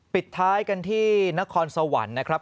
ปิดท้ายกันที่นครสวรรค์นะครับ